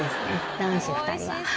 男子２人は。